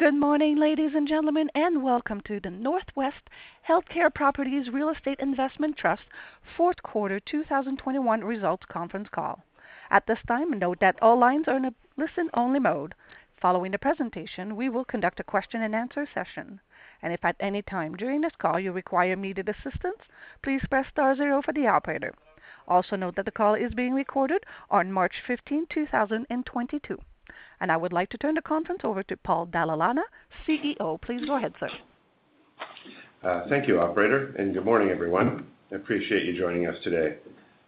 Good morning, ladies and gentlemen, and welcome to the Northwest Healthcare Properties Real Estate Investment Trust fourth quarter 2021 results conference call. At this time, note that all lines are in a listen-only mode. Following the presentation, we will conduct a question-and-answer session. If at any time during this call you require immediate assistance, please press star zero for the operator. Also note that the call is being recorded on March 15, 2022. I would like to turn the conference over to Paul Dalla Lana, CEO. Please go ahead, sir. Thank you, operator, and good morning, everyone. I appreciate you joining us today.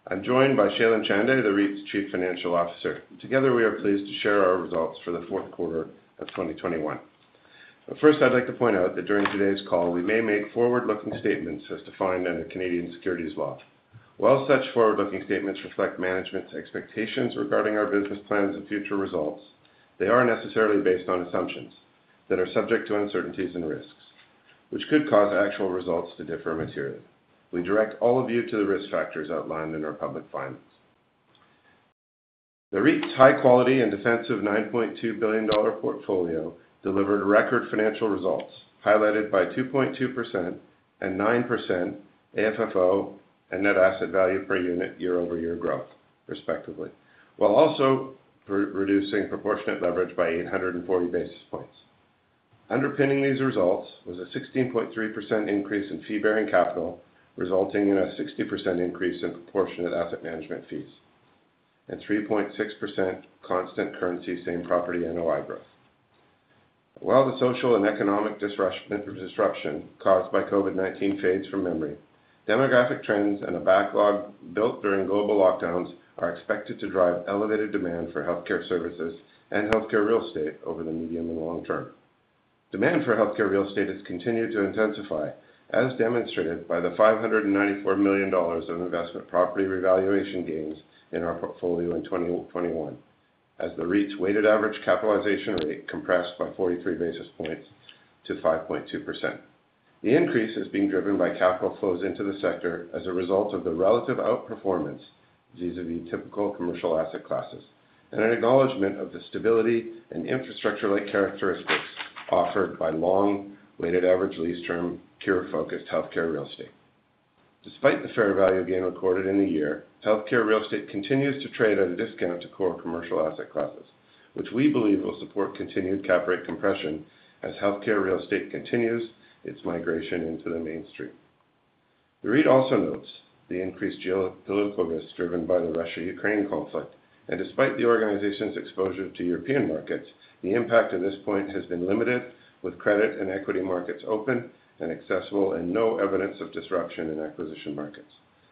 I'm joined by Shailen Chande, the REIT's Chief Financial Officer. Together, we are pleased to share our results for the fourth quarter of 2021. First, I'd like to point out that during today's call, we may make forward-looking statements as defined under Canadian securities law. While such forward-looking statements reflect management's expectations regarding our business plans and future results, they aren't necessarily based on assumptions that are subject to uncertainties and risks, which could cause actual results to differ materially. We direct all of you to the risk factors outlined in our public filings. The REIT's high quality and defensive 9.2 billion dollar portfolio delivered record financial results, highlighted by 2.2% and 9% AFFO and net asset value per unit year-over-year growth, respectively, while also reducing proportionate leverage by 840 basis points. Underpinning these results was a 16.3% increase in fee-bearing capital, resulting in a 60% increase in proportionate asset management fees and 3.6% constant currency same property NOI growth. While the social and economic disruption caused by COVID-19 fades from memory, demographic trends and a backlog built during global lockdowns are expected to drive elevated demand for healthcare services and healthcare real estate over the medium and long term. Demand for healthcare real estate has continued to intensify, as demonstrated by the 594 million dollars of investment property revaluation gains in our portfolio in 2021, as the REIT's weighted average capitalization rate compressed by 43 basis points to 5.2%. The increase is being driven by capital flows into the sector as a result of the relative outperformance vis-à-vis typical commercial asset classes and an acknowledgement of the stability and infrastructure-like characteristics offered by long weighted average lease term cure-focused healthcare real estate. Despite the fair value gain recorded in the year, healthcare real estate continues to trade at a discount to core commercial asset classes, which we believe will support continued cap rate compression as healthcare real estate continues its migration into the mainstream. The REIT also notes the increased geopolitical risk driven by the Russia-Ukraine conflict. Despite the organization's exposure to European markets, the impact at this point has been limited, with credit and equity markets open and accessible and no evidence of disruption in acquisition markets.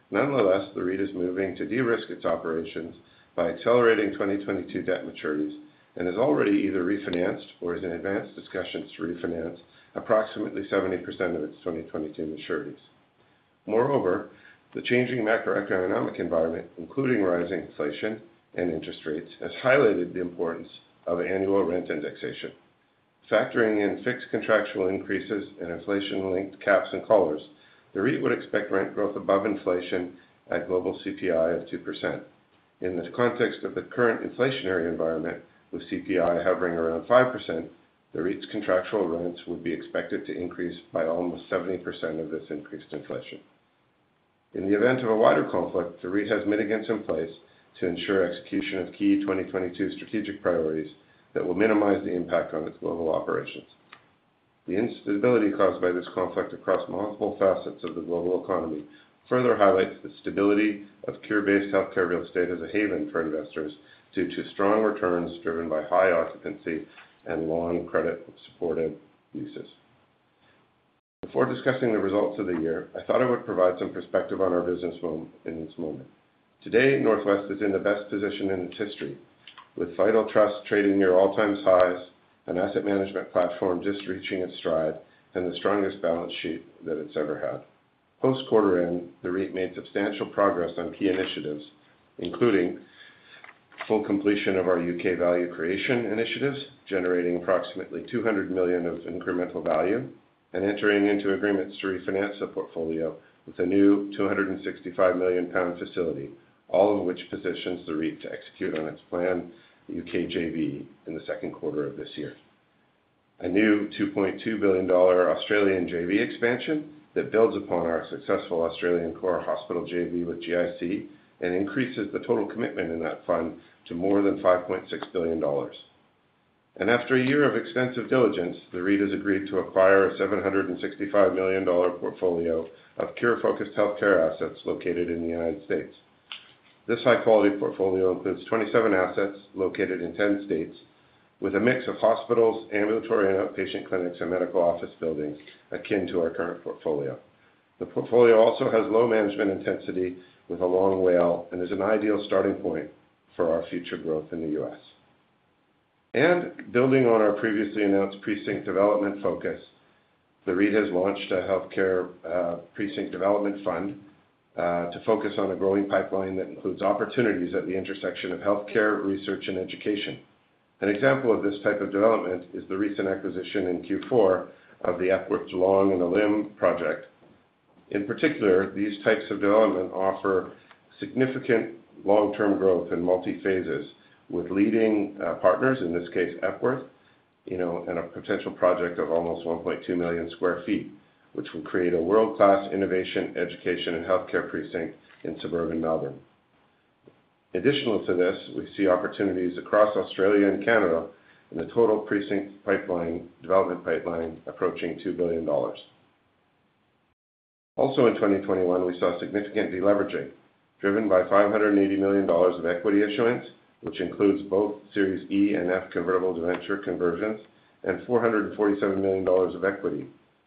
Nonetheless, the REIT is moving to de-risk its operations by accelerating 2022 debt maturities and has already either refinanced or is in advanced discussions to refinance approximately 70% of its 2022 maturities. Moreover, the changing macroeconomic environment, including rising inflation and interest rates, has highlighted the importance of annual rent indexation. Factoring in fixed contractual increases and inflation-linked caps and collars, the REIT would expect rent growth above inflation at global CPI of 2%. In the context of the current inflationary environment, with CPI hovering around 5%, the REIT's contractual rents would be expected to increase by almost 70% of this increased inflation. In the event of a wider conflict, the REIT has mitigants in place to ensure execution of key 2022 strategic priorities that will minimize the impact on its global operations. The instability caused by this conflict across multiple facets of the global economy further highlights the stability of core-based healthcare real estate as a haven for investors due to strong returns driven by high occupancy and long credit-supported leases. Before discussing the results of the year, I thought I would provide some perspective on our business in this moment. Today, Northwest is in the best position in its history, with Vital Trust trading near all-time highs, an asset management platform just reaching its stride, and the strongest balance sheet that it's ever had. Post quarter end, the REIT made substantial progress on key initiatives, including full completion of our U.K. value creation initiatives, generating approximately 200 million of incremental value and entering into agreements to refinance a portfolio with a new 265 million pound facility, all of which positions the REIT to execute on its planned U.K. JV in the second quarter of this year, a new 2.2 billion dollar Australian JV expansion that builds upon our successful Australian core hospital JV with GIC and increases the total commitment in that fund to more than 5.6 billion dollars. After a year of extensive diligence, the REIT has agreed to acquire a 765 million dollar portfolio of core-focused healthcare assets located in the United States. This high-quality portfolio includes 27 assets located in 10 states with a mix of hospitals, ambulatory and outpatient clinics, and medical office buildings akin to our current portfolio. The portfolio also has low management intensity with a long WALE and is an ideal starting point for our future growth in the U.S. Building on our previously announced precinct development focus, the REIT has launched a healthcare precinct development fund to focus on a growing pipeline that includes opportunities at the intersection of healthcare, research, and education. An example of this type of development is the recent acquisition in Q4 of the Epworth [long ELIM] project. In particular, these types of development offer significant long-term growth in multi-phases with leading partners, in this case, Epworth, you know, and a potential project of almost 1.2 million sq ft, which will create a world-class innovation, education, and healthcare precinct in suburban Melbourne. Additional to this, we see opportunities across Australia and Canada in the total precinct pipeline, development pipeline, approaching 2 billion dollars. Also in 2021, we saw significant deleveraging, driven by 580 million dollars of equity issuance, which includes both Series E and F convertible debenture conversions and 447 million dollars of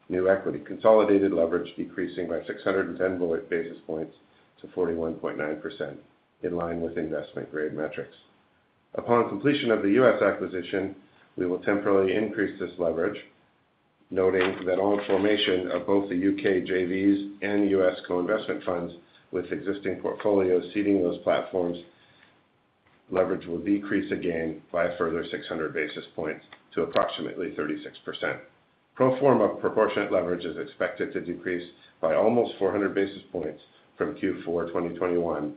new equity, consolidated leverage decreasing by 610 basis points to 41.9% in line with investment-grade metrics. Upon completion of the U.S. acquisition, we will temporarily increase this leverage, noting that on formation of both the U.K. JVs and U.S. co-investment funds with existing portfolios seeding those platforms, leverage will decrease again by a further 600 basis points to approximately 36%. Pro forma proportionate leverage is expected to decrease by almost 400 basis points from Q4 2021,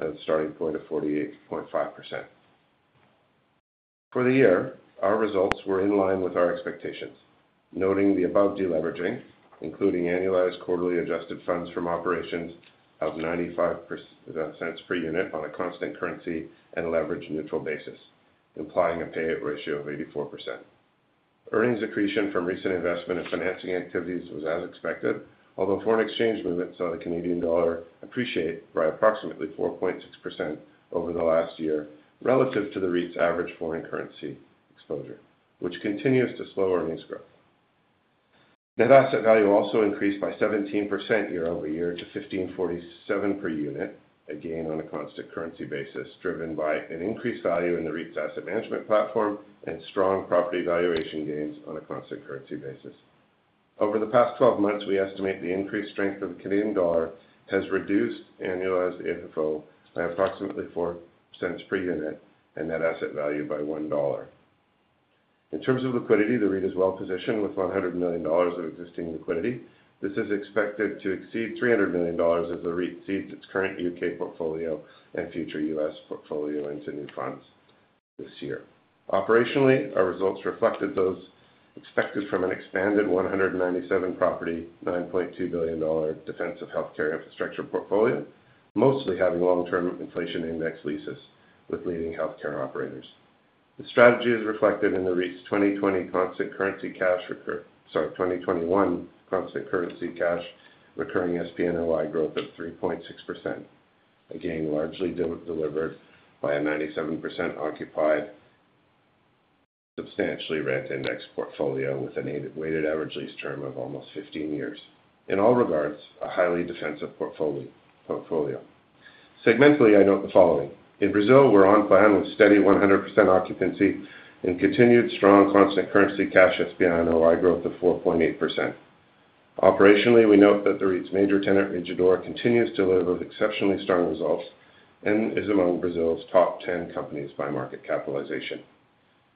a starting point of 48.5%. For the year, our results were in line with our expectations, noting the above deleveraging, including annualized quarterly adjusted funds from operations of 0.95 per unit on a constant currency and leverage neutral basis, implying a payout ratio of 84%. Earnings accretion from recent investment and financing activities was as expected, although foreign exchange movements saw the Canadian dollar appreciate by approximately 4.6% over the last year relative to the REIT's average foreign currency exposure, which continues to slow earnings growth. Net asset value also increased by 17% year-over-year to 15.47 per unit, again on a constant currency basis, driven by an increased value in the REIT's asset management platform and strong property valuation gains on a constant currency basis. Over the past 12 months, we estimate the increased strength of the Canadian dollar has reduced annualized AFFO by approximately 0.04 per unit and net asset value by 1 dollar. In terms of liquidity, the REIT is well positioned with 100 million dollars of existing liquidity. This is expected to exceed 300 million dollars as the REIT seeds its current U.K. portfolio and future U.S. portfolio into new funds this year. Operationally, our results reflected those expected from an expanded 197-property, CAD 9.2 billion defensive healthcare infrastructure portfolio, mostly having long-term inflation-indexed leases with leading healthcare operators. The strategy is reflected in the REIT's 2021 constant currency cash recurring SPNOI growth of 3.6%, again, largely delivered by a 97% occupied substantially rent-indexed portfolio with a weighted average lease term of almost 15 years. In all regards, a highly defensive portfolio. Segmentally, I note the following. In Brazil, we're on plan with steady 100% occupancy and continued strong constant currency cash SPNOI growth of 4.8%. Operationally, we note that the REIT's major tenant, Rede D'Or, continues to deliver exceptionally strong results and is among Brazil's top 10 companies by market capitalization.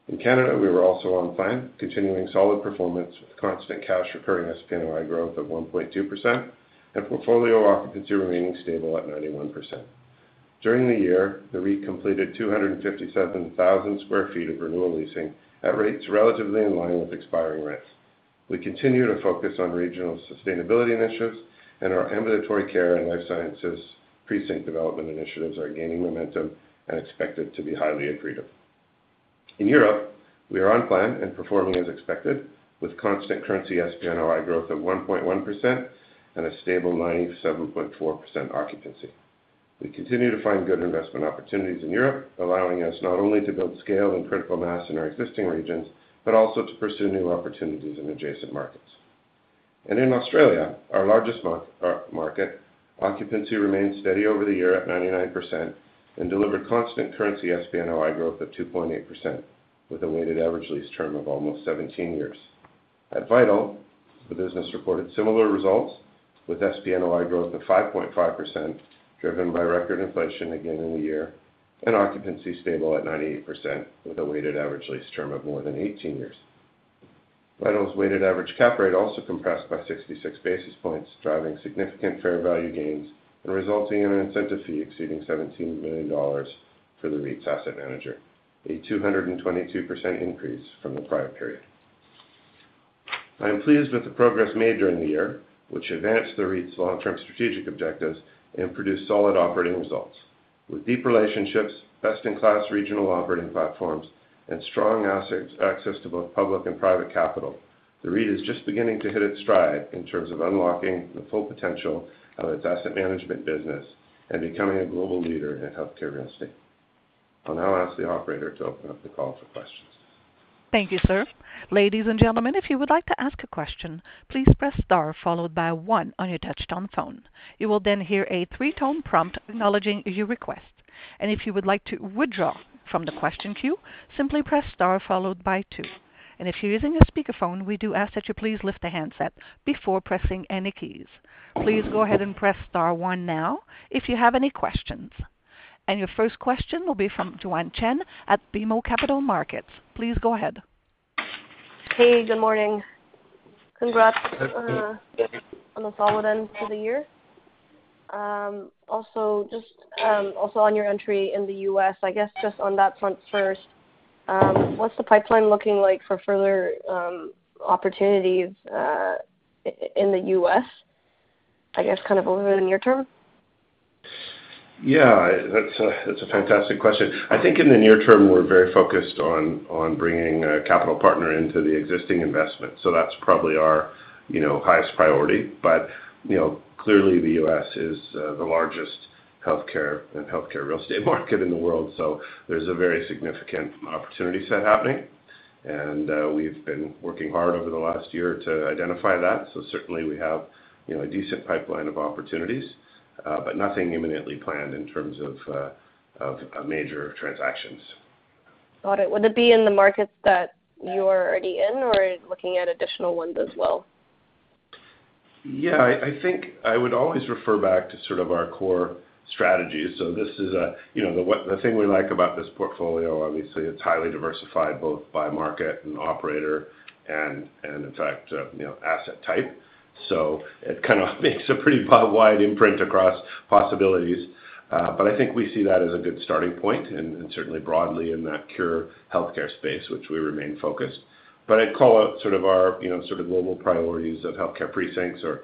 In Canada, we were also on plan, continuing solid performance with constant cash recurring SPNOI growth of 1.2% and portfolio occupancy remaining stable at 91%. During the year, the REIT completed 257,000 sq ft of renewal leasing at rates relatively in line with expiring rents. We continue to focus on regional sustainability initiatives, and our ambulatory care and life sciences precinct development initiatives are gaining momentum and expected to be highly accretive. In Europe, we are on plan and performing as expected with constant currency SPNOI growth of 1.1% and a stable 97.4% occupancy. We continue to find good investment opportunities in Europe, allowing us not only to build scale and critical mass in our existing regions, but also to pursue new opportunities in adjacent markets. In Australia, our largest market, occupancy remained steady over the year at 99% and delivered constant currency SPNOI growth of 2.8% with a weighted average lease term of almost 17 years. At Vital, the business reported similar results with SPNOI growth of 5.5%, driven by record inflation again in the year and occupancy stable at 98% with a weighted average lease term of more than 18 years. Vital's weighted average cap rate also compressed by 66 basis points, driving significant fair value gains and resulting in an incentive fee exceeding 17 million dollars for the REIT's asset manager, a 222% increase from the prior period. I am pleased with the progress made during the year, which advanced the REIT's long-term strategic objectives and produced solid operating results. With deep relationships, best-in-class regional operating platforms, and strong assets, access to both public and private capital, the REIT is just beginning to hit its stride in terms of unlocking the full potential of its asset management business and becoming a global leader in healthcare real estate. I'll now ask the operator to open up the call for questions. Thank you, sir. Ladies and gentlemen, if you would like to ask a question, please press star followed by one on your touchtone phone. You will then hear a three tone prompt acknowledging your request. If you would like to withdraw from the question queue, simply press star followed by two. If you're using a speakerphone, we do ask that you please lift the handset before pressing any keys. Please go ahead and press star one now if you have any questions. Your first question will be from Joanne Chen at BMO Capital Markets. Please go ahead. Hey, good morning. Congrats on a solid end to the year. Also just also on your entry in the U.S., I guess just on that front first, what's the pipeline looking like for further opportunities in the U.S., I guess, kind of over the near term? Yeah, that's a fantastic question. I think in the near term, we're very focused on bringing a capital partner into the existing investment. That's probably our, you know, highest priority. You know, clearly the U.S. is the largest healthcare and healthcare real estate market in the world. There's a very significant opportunity set happening. We've been working hard over the last year to identify that. Certainly we have, you know, a decent pipeline of opportunities, but nothing imminently planned in terms of of major transactions. Got it. Would it be in the markets that you're already in or looking at additional ones as well? Yeah. I think I would always refer back to sort of our core strategy. This is a you know, the thing we like about this portfolio, obviously it's highly diversified both by market and operator and in fact, you know, asset type. It kind of makes a pretty wide imprint across possibilities. But I think we see that as a good starting point and certainly broadly in that acute healthcare space, which we remain focused. I'd call out sort of our, you know, sort of global priorities of healthcare precincts or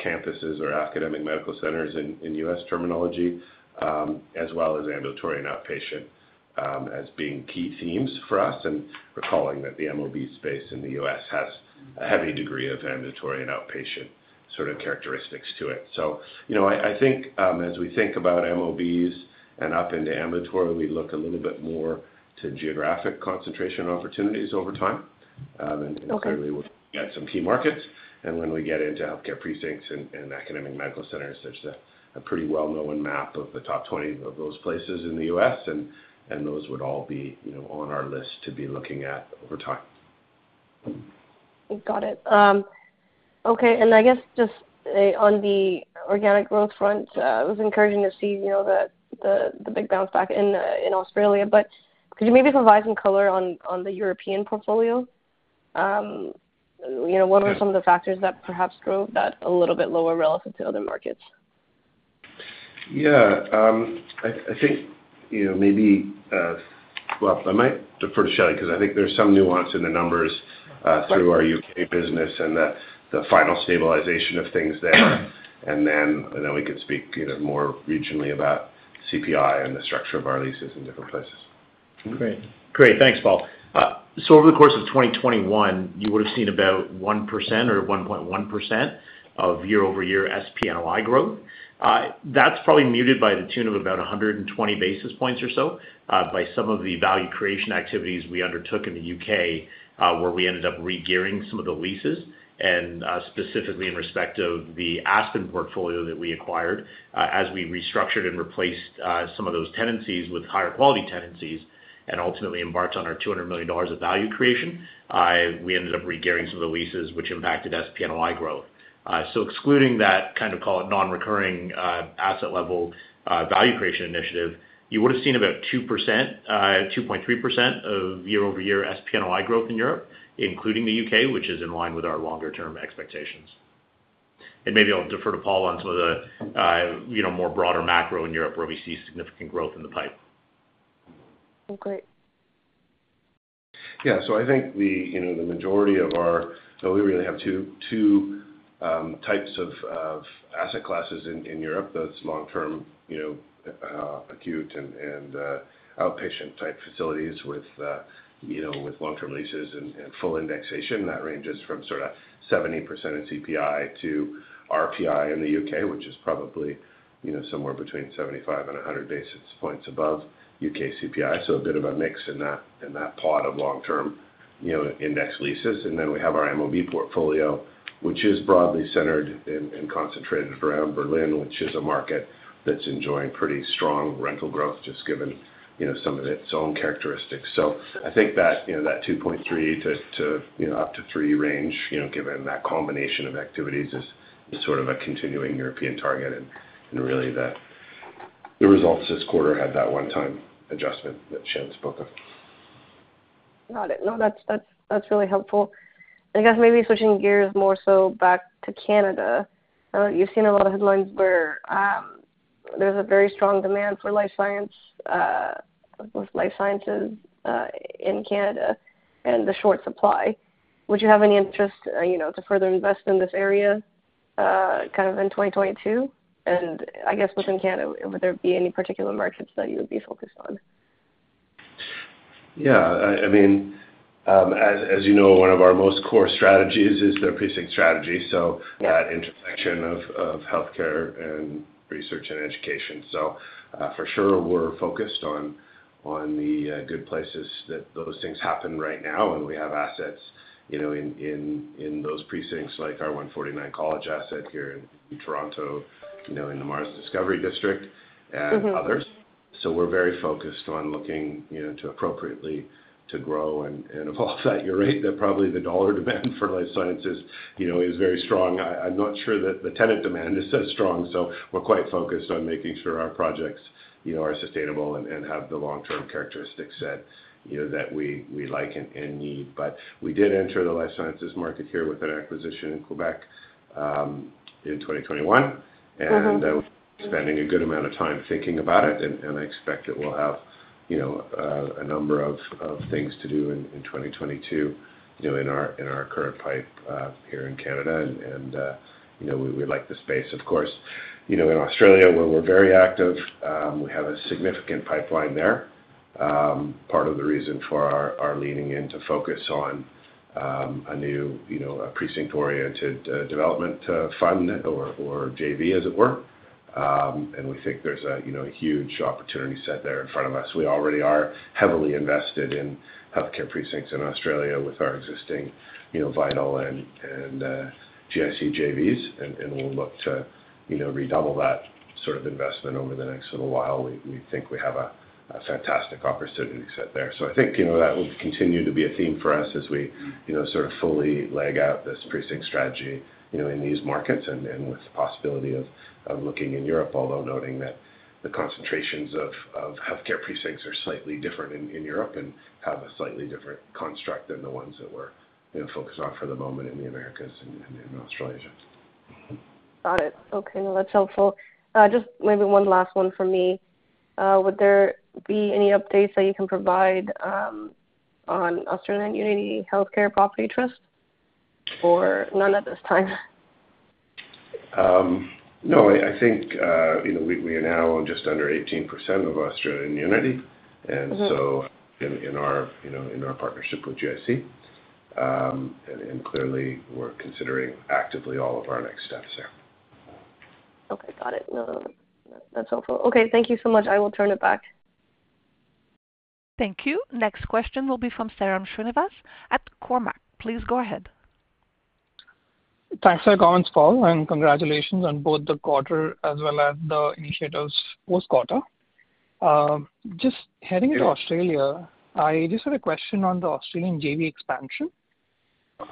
campuses or academic medical centers in U.S. terminology, as well as ambulatory and outpatient, as being key themes for us. Recalling that the MOB space in the U.S. has a heavy degree of ambulatory and outpatient sort of characteristics to it. You know, I think, as we think about MOBs and up into ambulatory, we look a little bit more to geographic concentration opportunities over time. Okay. Clearly we've got some key markets. When we get into healthcare precincts and academic medical centers, there's a pretty well-known map of the top 20 of those places in the U.S. and those would all be, you know, on our list to be looking at over time. Got it. Okay. I guess just on the organic growth front, it was encouraging to see, you know, the big bounce back in Australia. Could you maybe provide some color on the European portfolio? Okay. What are some of the factors that perhaps drove that a little bit lower relative to other markets? I think, you know, maybe. Well, I might defer to Shailen because I think there's some nuance in the numbers through our U.K. business and the final stabilization of things there. Then we could speak, you know, more regionally about CPI and the structure of our leases in different places. Great. Thanks, Paul. Over the course of 2021, you would've seen about 1% or 1.1% of year-over-year SPNOI growth. That's probably muted by the tune of about 120 basis points or so, by some of the value creation activities we undertook in the U.K., where we ended up regearing some of the leases and, specifically in respect of the Aspen portfolio that we acquired. As we restructured and replaced some of those tenancies with higher quality tenancies and ultimately embarked on our 200 million dollars of value creation, we ended up regearing some of the leases which impacted SPNOI growth. So excluding that kind of, call it, non-recurring, asset level, value creation initiative, you would've seen about 2%, 2.3% of year-over-year SPNOI growth in Europe, including the U.K., which is in line with our longer-term expectations. Maybe I'll defer to Paul on some of the, you know, more broader macro in Europe where we see significant growth in the pipeline. Oh, great. I think we, you know, the majority of our. We really have two types of asset classes in Europe. That's long-term, you know, acute and outpatient type facilities with, you know, with long-term leases and full indexation that ranges from sort of 70% of CPI to RPI in the U.K., which is probably, you know, somewhere between 75 basis points and 100 basis points above U.K. CPI. A bit of a mix in that pot of long-term, you know, index leases. Then we have our MOB portfolio, which is broadly centered and concentrated around Berlin, which is a market that's enjoying pretty strong rental growth, just given, you know, some of its own characteristics. I think that, you know, that 2.3% to, you know, up to 3% range, you know, given that combination of activities is sort of a continuing European target. Really the results this quarter had that one-time adjustment that Shailen spoke of. Got it. No, that's really helpful. I guess maybe switching gears more so back to Canada. I know you've seen a lot of headlines where there's a very strong demand for life science with life sciences in Canada and the short supply. Would you have any interest, you know, to further invest in this area kind of in 2022? I guess within Canada, would there be any particular markets that you would be focused on? Yeah. I mean, as you know, one of our most core strategies is the precinct strategy. That intersection of healthcare and research and education. For sure we're focused on the good places that those things happen right now. We have assets, you know, in those precincts like our 149 College asset here in Toronto, you know, in the MaRS Discovery District and others. We're very focused on looking, you know, to appropriately grow and evolve at a rate that probably the dollar demand for life sciences, you know, is very strong. I'm not sure that the tenant demand is so strong, so we're quite focused on making sure our projects, you know, are sustainable and have the long-term characteristics that, you know, we like and need. We did enter the life sciences market here with an acquisition in Quebec in 2021. We're spending a good amount of time thinking about it, and I expect it will have, you know, a number of things to do in 2022, you know, in our current pipe here in Canada. You know, we like the space of course. You know, in Australia where we're very active, we have a significant pipeline there. Part of the reason for our leaning in to focus on a new, you know, a precinct-oriented development fund or JV as it were. We think there's a, you know, a huge opportunity set there in front of us. We already are heavily invested in healthcare precincts in Australia with our existing, you know, Vital and GIC JVs. We'll look to, you know, redouble that sort of investment over the next little while. We think we have a fantastic opportunity set there. I think, you know, that will continue to be a theme for us as we, you know, sort of fully leg out this precinct strategy, you know, in these markets and with the possibility of looking in Europe, although noting that the concentrations of healthcare precincts are slightly different in Europe and have a slightly different construct than the ones that we're, you know, focused on for the moment in the Americas and in Australia. Got it. Okay. No, that's helpful. Just maybe one last one from me. Would there be any updates that you can provide on Australian Unity Healthcare Property Trust, or none at this time? No, I think, you know, we are now on just under 18% of Australian Unity. In our partnership with GIC, and clearly we're considering actively all of our next steps there. Okay. Got it. That's helpful. Okay, thank you so much. I will turn it back. Thank you. Next question will be from Sairam Srinivas at Cormark. Please go ahead. Thanks for the comments, Paul, and congratulations on both the quarter as well as the initiatives post-quarter. Just heading to Australia, I just had a question on the Australian JV expansion.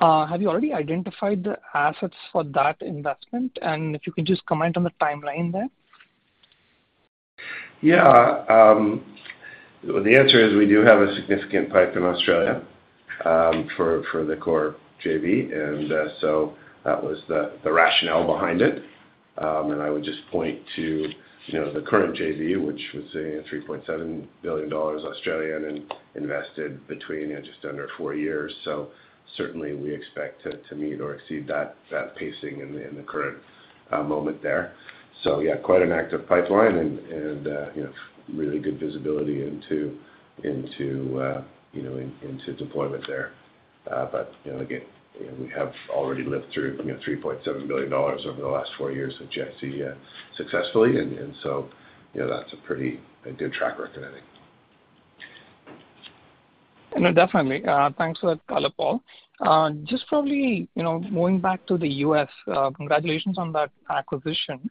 Have you already identified the assets for that investment? If you can just comment on the timeline there. Yeah. The answer is we do have a significant pipeline in Australia, for the core JV. That was the rationale behind it. I would just point to, you know, the current JV, which was sitting at 3.7 billion Australian dollars and invested between just under four years. Certainly we expect to meet or exceed that pacing in the current moment there. Yeah, quite an active pipeline and, you know, really good visibility into, you know, into deployment there. You know, again, you know, we have already lived through, you know, 3.7 billion dollars over the last four years with GIC, successfully and, so, you know, that's a pretty good track record, I think. No, definitely. Thanks for that color, Paul. Just probably, you know, going back to the U.S., congratulations on that acquisition.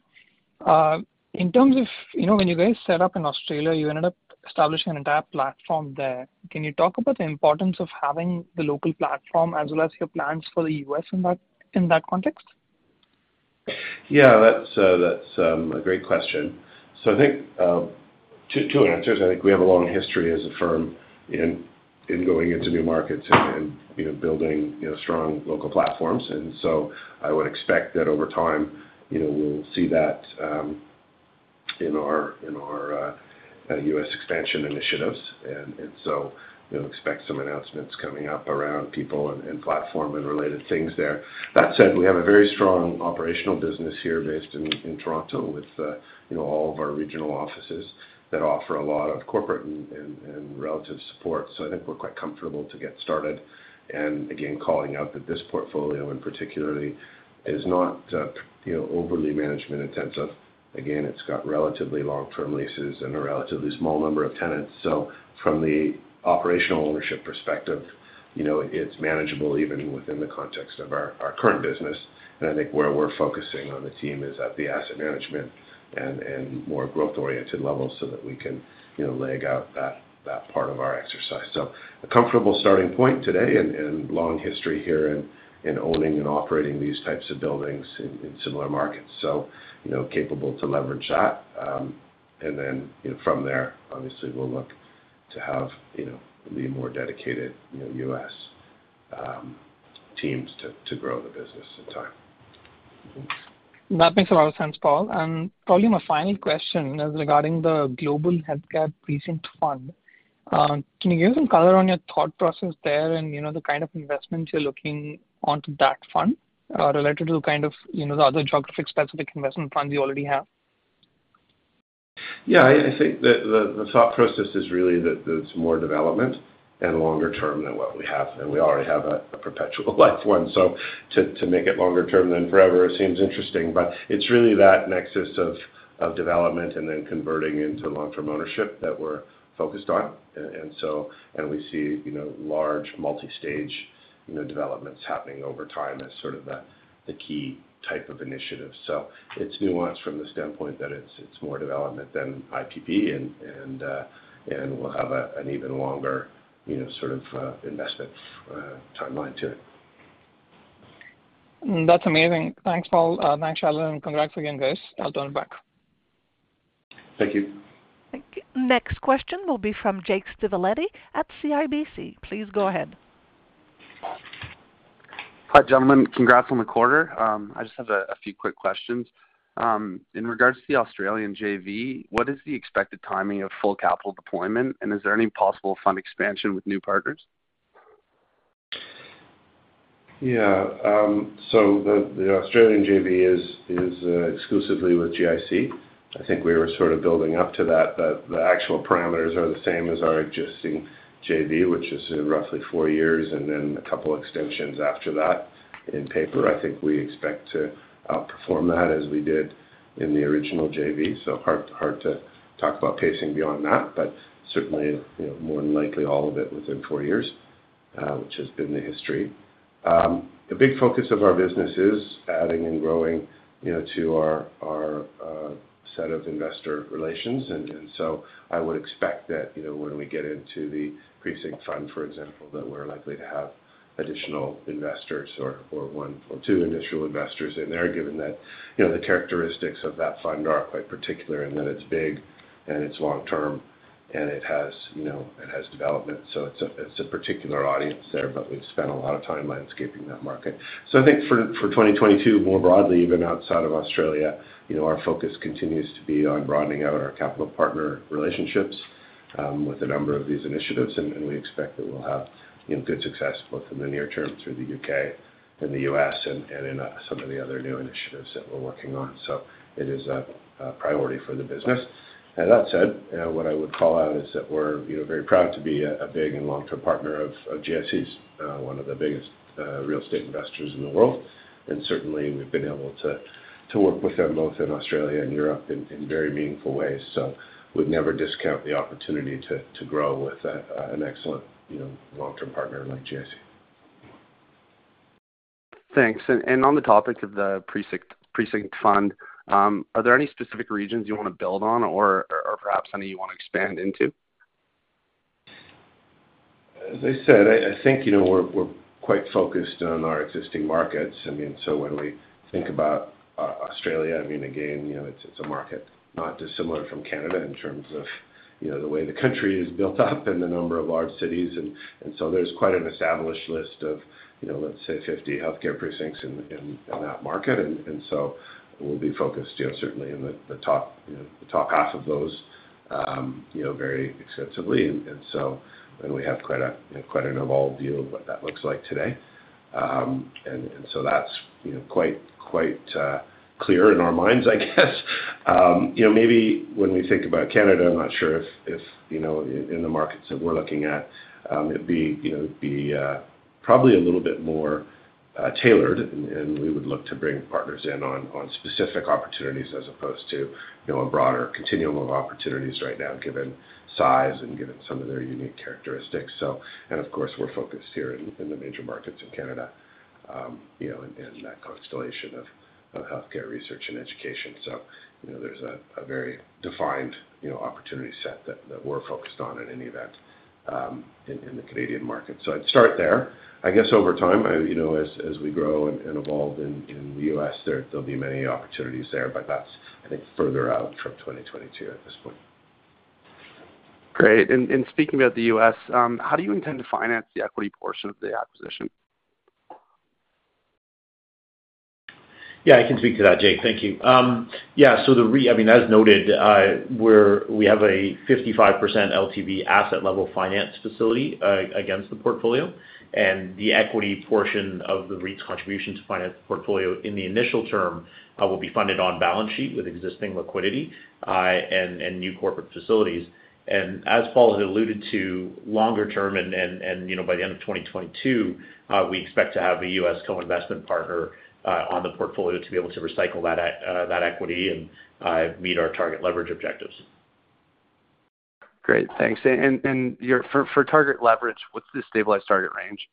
In terms of, you know, when you guys set up in Australia, you ended up establishing an entire platform there. Can you talk about the importance of having the local platform as well as your plans for the U.S. in that context? Yeah, that's a great question. I think two answers. I think we have a long history as a firm in going into new markets and you know building you know strong local platforms. I would expect that over time, you know, we'll see that in our U.S. expansion initiatives. You know, expect some announcements coming up around people and platform and related things there. That said, we have a very strong operational business here based in Toronto with you know all of our regional offices that offer a lot of corporate and relevant support. I think we're quite comfortable to get started. Again, calling out that this portfolio in particular is not you know overly management intensive. Again, it's got relatively long-term leases and a relatively small number of tenants. From the operational ownership perspective, you know, it's manageable even within the context of our current business. I think where we're focusing on the team is at the asset management and more growth-oriented levels so that we can, you know, leg out that part of our exercise. A comfortable starting point today and long history here in owning and operating these types of buildings in similar markets. You know, capable to leverage that. You know, from there, obviously we'll look to have, you know, the more dedicated, you know, U.S. teams to grow the business in time. That makes a lot of sense, Paul. Probably my final question is regarding the Global Healthcare Precinct Fund. Can you give some color on your thought process there and, you know, the kind of investments you're looking into that fund, related to kind of, you know, the other geographic specific investment funds you already have? Yeah, I think the thought process is really that it's more development and longer term than what we have. We already have a perpetual life one. To make it longer term than forever seems interesting, but it's really that nexus of development and then converting into long-term ownership that we're focused on. We see, you know, large multi-stage, you know, developments happening over time as sort of the key type of initiative. It's nuanced from the standpoint that it's more development than IPP and we'll have an even longer, you know, sort of investment timeline to it. That's amazing. Thanks, Paul. Thanks, Shailen, and congrats again, guys. I'll turn it back. Thank you. Thank you. Next question will be from Jake Stivaletti at CIBC. Please go ahead. Hi, gentlemen. Congrats on the quarter. I just have a few quick questions. In regards to the Australian JV, what is the expected timing of full capital deployment, and is there any possible fund expansion with new partners? Yeah. So the Australian JV is exclusively with GIC. I think we were sort of building up to that, but the actual parameters are the same as our existing JV, which is roughly four years and then a couple extensions after that in paper. I think we expect to outperform that as we did in the original JV, so hard to talk about pacing beyond that. But certainly, you know, more than likely all of it within four years, which has been the history. The big focus of our business is adding and growing, you know, to our set of investor relations. I would expect that, you know, when we get into the precinct fund, for example, that we're likely to have additional investors or one or two initial investors in there, given that, you know, the characteristics of that fund are quite particular, and that it's big, and it's long term, and it has, you know, it has development. It's a particular audience there, but we've spent a lot of time landscaping that market. I think for 2022, more broadly, even outside of Australia, you know, our focus continues to be on broadening out our capital partner relationships with a number of these initiatives. We expect that we'll have, you know, good success both in the near term through the U.K. and the U.S. and in some of the other new initiatives that we're working on. It is a priority for the business. That said, what I would call out is that we're, you know, very proud to be a big and long-term partner of GIC, one of the biggest real estate investors in the world. Certainly, we've been able to work with them both in Australia and Europe in very meaningful ways. We'd never discount the opportunity to grow with an excellent, you know, long-term partner like GIC. Thanks. On the topic of the precinct fund, are there any specific regions you wanna build on or perhaps any you wanna expand into? As I said, I think, you know, we're quite focused on our existing markets. I mean, when we think about Australia, I mean, again, you know, it's a market not dissimilar from Canada in terms of, you know, the way the country is built up and the number of large cities. There's quite an established list of, you know, let's say 50 healthcare precincts in that market. We'll be focused, you know, certainly in the top, you know, the top half of those very extensively. We have quite an evolved view of what that looks like today. That's quite clear in our minds, I guess. You know, maybe when we think about Canada, I'm not sure if you know, in the markets that we're looking at, it'd be you know, it'd be probably a little bit more tailored, and we would look to bring partners in on specific opportunities as opposed to you know, a broader continuum of opportunities right now, given size and given some of their unique characteristics. Of course, we're focused here in the major markets in Canada, you know, in that constellation of healthcare research and education. You know, there's a very defined opportunity set that we're focused on in any event, in the Canadian market. I'd start there. I guess over time, you know, as we grow and evolve in the U.S., there'll be many opportunities there, but that's I think further out from 2022 at this point. Great. Speaking about the U.S., how do you intend to finance the equity portion of the acquisition? Yeah, I can speak to that, Jake. Thank you. I mean, as noted, we have a 55% LTV asset level finance facility against the portfolio. The equity portion of the REIT's contribution to finance the portfolio in the initial term will be funded on balance sheet with existing liquidity and new corporate facilities. As Paul had alluded to, longer term and you know, by the end of 2022, we expect to have a U.S. co-investment partner on the portfolio to be able to recycle that equity and meet our target leverage objectives. Great. Thanks. For target leverage, what's the stabilized target range?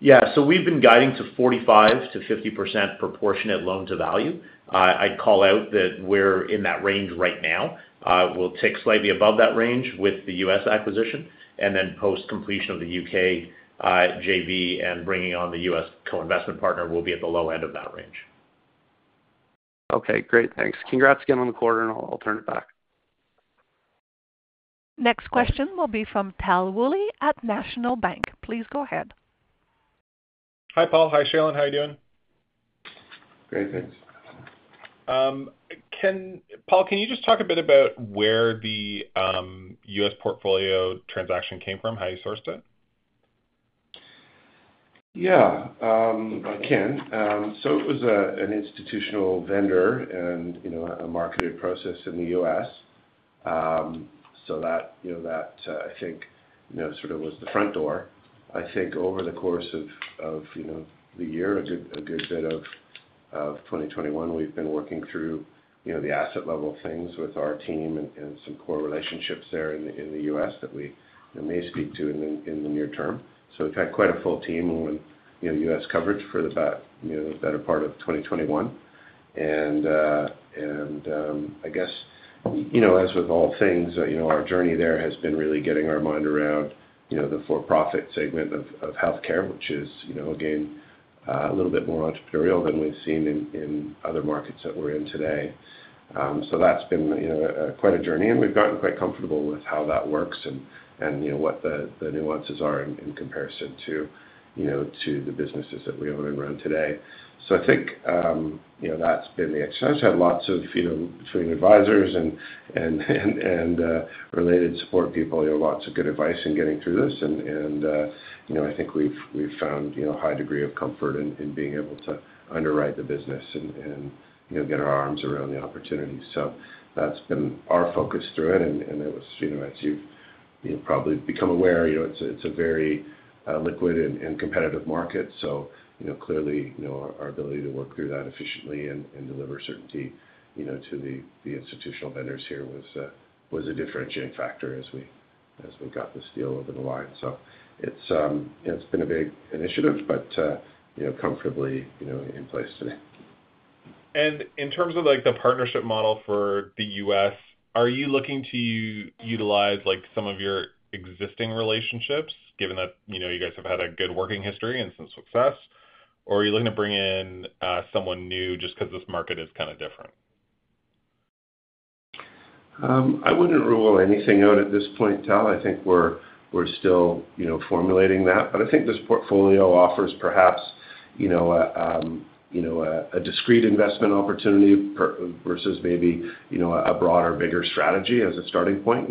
Yeah. We've been guiding to 45%-50% proportionate loan-to-value. I'd call out that we're in that range right now. We'll tick slightly above that range with the U.S. acquisition, and then post-completion of the U.K. JV and bringing on the U.S. co-investment partner, we'll be at the low end of that range. Okay, great. Thanks. Congrats again on the quarter, and I'll turn it back. Next question will be from Tal Woolley at National Bank. Please go ahead. Hi, Paul. Hi, Shailen. How are you doing? Great, thanks. Paul, can you just talk a bit about where the U.S. portfolio transaction came from, how you sourced it? Yeah, I can. It was an institutional vendor and, you know, a marketed process in the U.S. That, you know, I think, you know, sort of was the front door. I think over the course of, you know, the year, a good bit of 2021, we've been working through, you know, the asset level things with our team and some core relationships there in the U.S. that we may speak to in the near term. We've had quite a full team on, you know, U.S. coverage for you know, the better part of 2021. I guess, you know, as with all things, you know, our journey there has been really getting our mind around, you know, the for-profit segment of healthcare, which is, you know, again, a little bit more entrepreneurial than we've seen in other markets that we're in today. That's been, you know, quite a journey, and we've gotten quite comfortable with how that works and, you know, what the nuances are in comparison to, you know, the businesses that we own and run today. I think, you know, that's been the excess. I just had lots of, you know, between advisors and related support people, you know, lots of good advice in getting through this. I think we've found, you know, a high degree of comfort in being able to underwrite the business and, you know, get our arms around the opportunity. That's been our focus through it, and it was, you know, as you've probably become aware, you know, it's a very liquid and competitive market. You know, clearly, you know, our ability to work through that efficiently and deliver certainty, you know, to the institutional vendors here was a differentiating factor as we got this deal over the line. It's, you know, it's been a big initiative, but, you know, comfortably, you know, in place today. In terms of, like, the partnership model for the U.S., are you looking to utilize, like, some of your existing relationships given that, you know, you guys have had a good working history and some success? Or are you looking to bring in, someone new just 'cause this market is kinda different? I wouldn't rule anything out at this point, Tal. I think we're still, you know, formulating that. I think this portfolio offers perhaps, you know, a discrete investment opportunity versus maybe, you know, a broader, bigger strategy as a starting point.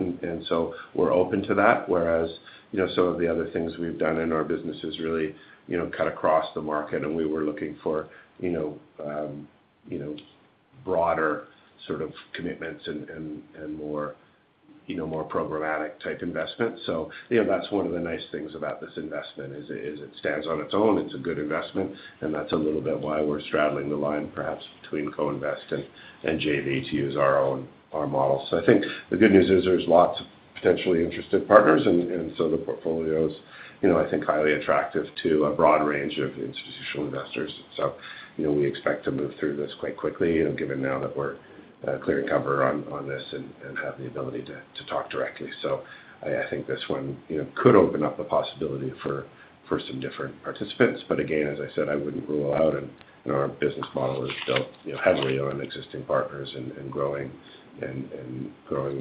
We're open to that, whereas, you know, some of the other things we've done in our business is really, you know, cut across the market and we were looking for, you know, broader sort of commitments and more programmatic type investment. You know, that's one of the nice things about this investment is it stands on its own. It's a good investment, and that's a little bit why we're straddling the line perhaps between co-invest and JV to use our model. I think the good news is there's lots of potentially interested partners and so the portfolio's, you know, I think, highly attractive to a broad range of institutional investors. You know, we expect to move through this quite quickly, you know, given now that we're clearing cover on this and have the ability to talk directly. I think this one, you know, could open up the possibility for some different participants. But again, as I said, I wouldn't rule out and, you know, our business model is built, you know, heavily on existing partners and growing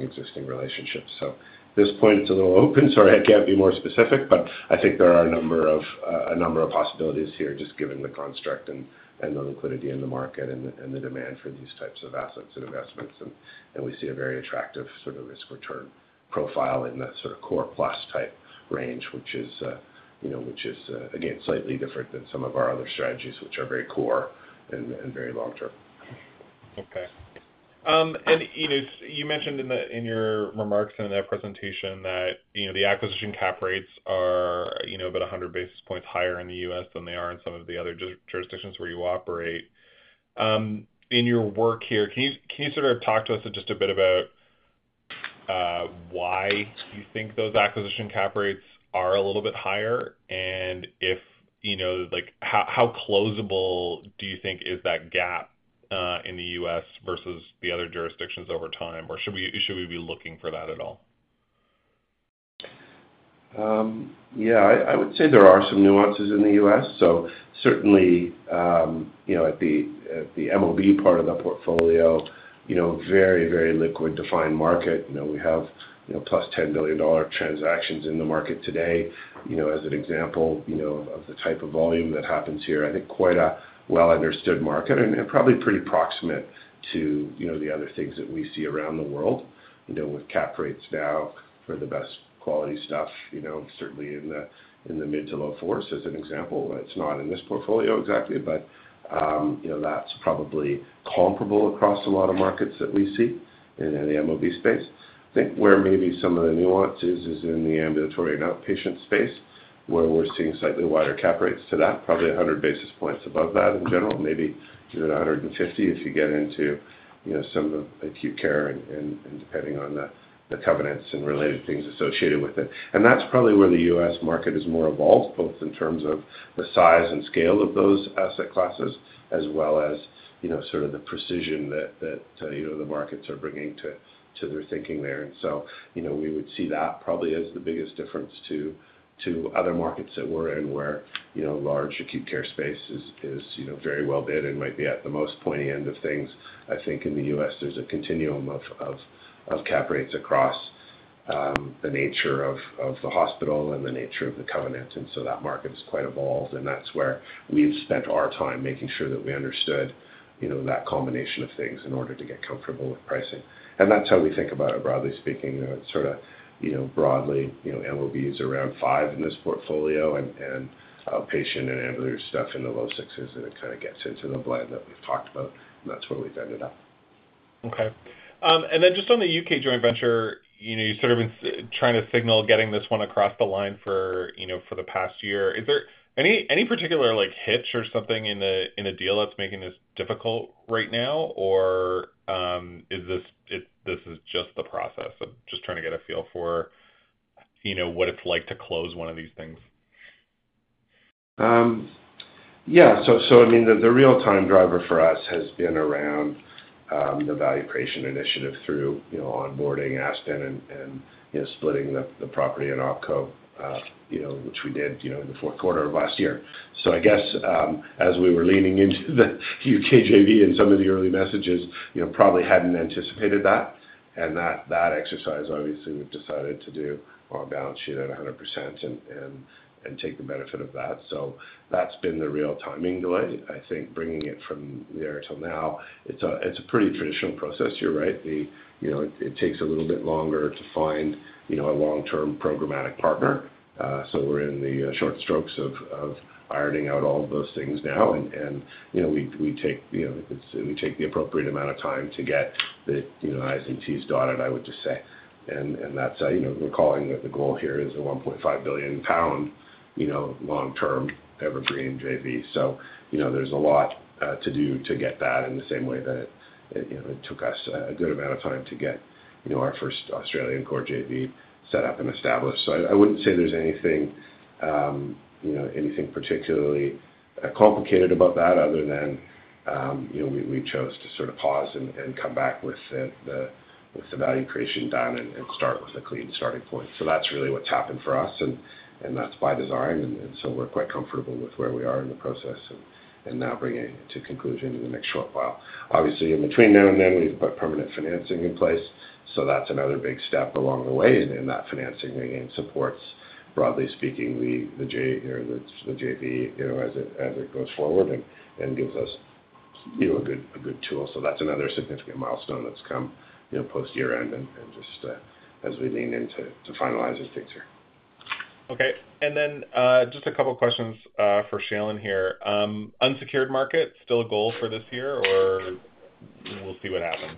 existing relationships. At this point it's a little open. Sorry, I can't be more specific, but I think there are a number of possibilities here just given the construct and the liquidity in the market and the demand for these types of assets and investments. We see a very attractive sort of risk-return profile in that sort of core plus type range, which is, you know, again, slightly different than some of our other strategies, which are very core and very long term. Okay. [and], you mentioned in your remarks and in that presentation that, you know, the acquisition cap rates are, you know, about 100 basis points higher in the U.S. than they are in some of the other jurisdictions where you operate. In your work here, can you sort of talk to us just a bit about why you think those acquisition cap rates are a little bit higher? If, you know, like how closable do you think is that gap in the U.S. versus the other jurisdictions over time, or should we be looking for that at all? Yeah, I would say there are some nuances in the U.S. Certainly, you know, at the MOB part of the portfolio, you know, very liquid defined market. You know, we have, you know, +10 billion dollar transactions in the market today, you know, as an example, you know, of the type of volume that happens here. I think quite a well-understood market and probably pretty proximate to, you know, the other things that we see around the world. You know, with cap rates now for the best quality stuff, you know, certainly in the mid to low 4s% as an example. It's not in this portfolio exactly, but you know, that's probably comparable across a lot of markets that we see in the MOB space. I think where maybe some of the nuance is in the ambulatory and outpatient space, where we're seeing slightly wider cap rates to that, probably 100 basis points above that in general. Maybe even 150 basis points if you get into, you know, some of the acute care and depending on the covenants and related things associated with it. That's probably where the U.S. market is more evolved, both in terms of the size and scale of those asset classes, as well as, you know, sort of the precision that the markets are bringing to their thinking there. You know, we would see that probably as the biggest difference to other markets that we're in where, you know, large acute care space is, you know, very well bid and might be at the most pointy end of things. I think in the U.S. there's a continuum of cap rates across the nature of the hospital and the nature of the covenant, and so that market is quite evolved. That's where we've spent our time making sure that we understood, you know, that combination of things in order to get comfortable with pricing. That's how we think about it, broadly speaking. You know, sort of, you know, broadly, you know, MOB is around 5% in this portfolio and outpatient and ambulatory stuff in the low 6s%, and it kinda gets into the blend that we've talked about, and that's where we've ended up. Okay. Just on the U.K. joint venture, you know, you've sort of been trying to signal getting this one across the line for, you know, for the past year. Is there any particular, like, hitch or something in the deal that's making this difficult right now? Is this it, this is just the process? I'm just trying to get a feel for, you know, what it's like to close one of these things. Yeah. I mean, the real-time driver for us has been around the value creation initiative through, you know, onboarding Aspen and you know, splitting the property in OpCo you know, which we did, you know, in the fourth quarter of last year. I guess, as we were leaning into the U.K. JV and some of the early messages, you know, probably hadn't anticipated that, and that exercise obviously we've decided to do on our balance sheet at 100% and take the benefit of that. That's been the real timing delay. I think bringing it from there till now, it's a pretty traditional process. You're right. You know, it takes a little bit longer to find, you know, a long-term programmatic partner. We're in the short strokes of ironing out all of those things now. We take the appropriate amount of time to get the i's and t's dotted, I would just say. That's recalling that the goal here is a 1.5 billion pound long-term Evergreen JV. There's a lot to do to get that in the same way that it took us a good amount of time to get our first Australian core JV set up and established. I wouldn't say there's anything, you know, anything particularly complicated about that other than, you know, we chose to sort of pause and come back with the value creation done and start with a clean starting point. That's really what's happened for us and that's by design. We're quite comfortable with where we are in the process and now bringing it to conclusion in the next short while. Obviously, in between now and then, we've put permanent financing in place, so that's another big step along the way. That financing again supports, broadly speaking, the JV, you know, as it goes forward and gives us, you know, a good tool. That's another significant milestone that's come, you know, post year-end and just as we lean into finalizing things here. Okay. Just a couple questions for Shailen here. Unsecured market still a goal for this year, or we'll see what happens?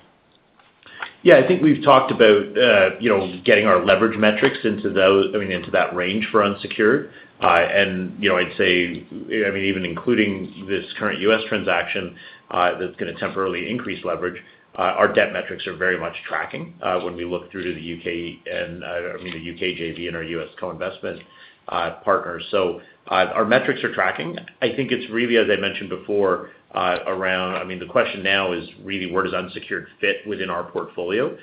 Yeah, I think we've talked about, you know, getting our leverage metrics into those, I mean, into that range for unsecured. You know, I'd say, I mean, even including this current U.S. transaction, that's gonna temporarily increase leverage. Our debt metrics are very much tracking, when we look through to the U.K. and, I mean, the U.K. JV and our U.S. co-investment partners. Our metrics are tracking. I think it's really, as I mentioned before, around, I mean, the question now is really where does unsecured fit within our portfolio,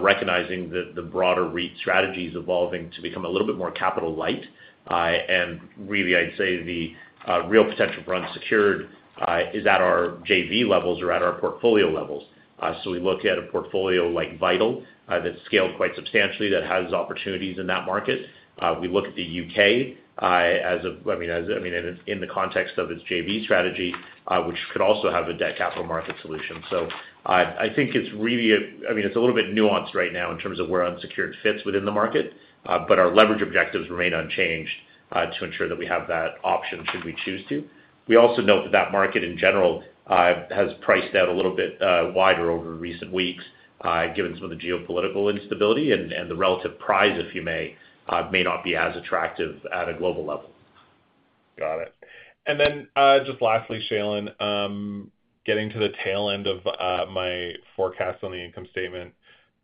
recognizing the broader REIT strategy is evolving to become a little bit more capital light. Really, I'd say the real potential for unsecured is at our JV levels or at our portfolio levels. We look at a portfolio like Vital that's scaled quite substantially that has opportunities in that market. We look at the U.K. as I mean in the context of its JV strategy, which could also have a debt capital market solution. I think it's really I mean, it's a little bit nuanced right now in terms of where unsecured fits within the market, but our leverage objectives remain unchanged to ensure that we have that option should we choose to. We also know that that market in general has priced out a little bit wider over recent weeks, given some of the geopolitical instability and the relative price, if you will, may not be as attractive at a global level. Got it. Just lastly, Shailen, getting to the tail end of my forecast on the income statement,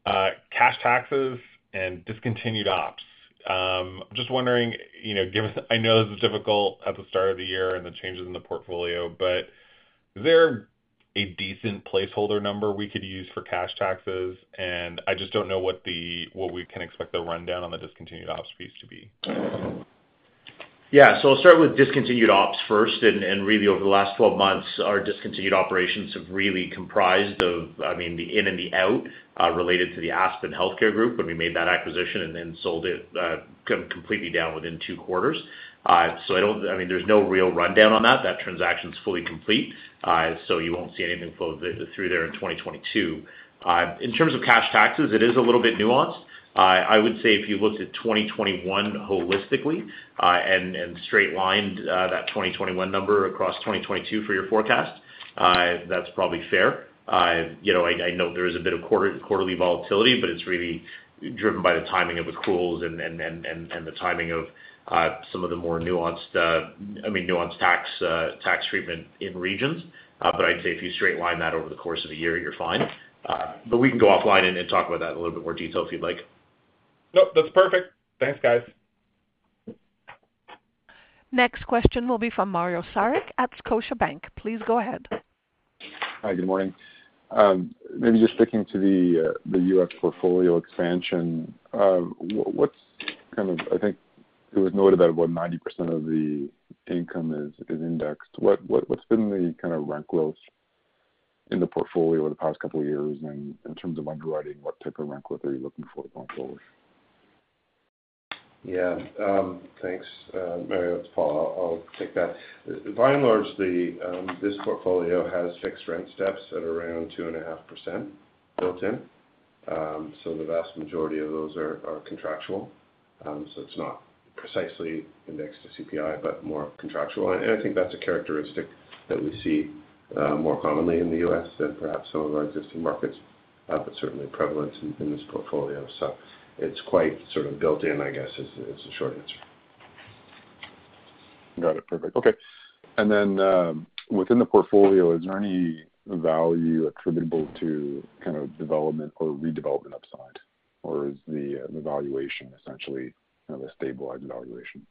cash taxes and discontinued ops. Just wondering, you know, given I know this is difficult at the start of the year and the changes in the portfolio, but is there a decent placeholder number we could use for cash taxes? I just don't know what we can expect the rundown on the discontinued ops piece to be. Yeah. I'll start with discontinued ops first, and really over the last 12 months, our discontinued operations have really comprised of, I mean, the in and the out related to the Aspen Healthcare group when we made that acquisition and then sold it completely down within 2 quarters. I mean, there's no real rundown on that. That transaction's fully complete. You won't see anything flow through there in 2022. In terms of cash taxes, it is a little bit nuanced. I would say if you looked at 2021 holistically, and straight lined that 2021 number across 2022 for your forecast, that's probably fair. You know, I know there is a bit of quarterly volatility, but it's really driven by the timing of accruals and the timing of some of the more nuanced, I mean, nuanced tax treatment in regions. But I'd say if you straight line that over the course of the year, you're fine. But we can go offline and talk about that in a little bit more detail if you'd like. Nope, that's perfect. Thanks, guys. Next question will be from Mario Saric at Scotiabank. Please go ahead. Hi, good morning. Maybe just sticking to the U.S. portfolio expansion, what's kind of. I think it was noted that about 90% of the income is indexed. What's been the kind of rent growth in the portfolio over the past couple of years? And in terms of underwriting, what type of rent growth are you looking for going forward? Yeah. Thanks, Mario. It's Paul. I'll take that. By and large, this portfolio has fixed rent steps at around 2.5% built in. The vast majority of those are contractual. It's not precisely indexed to CPI, but more contractual. I think that's a characteristic that we see more commonly in the U.S. than perhaps some of our existing markets, but certainly prevalent in this portfolio. It's quite sort of built in, I guess, is the short answer. Got it. Perfect. Okay. Within the portfolio, is there any value attributable to kind of development or redevelopment upside? Or is the valuation essentially kind of a stabilized valuation?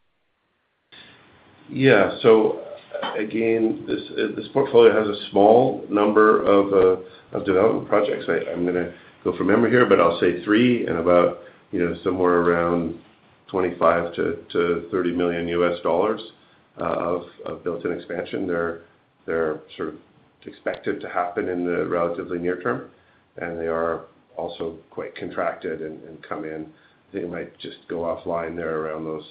Yeah. Again, this portfolio has a small number of development projects. I'm gonna go from memory here, but I'll say three and about somewhere around CAD 25 million-CAD 30 million of built-in expansion. They're sort of expected to happen in the relatively near term, and they are also quite contracted and come in. They might just go offline there around those